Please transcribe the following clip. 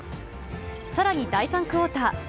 さらに第３クオーター。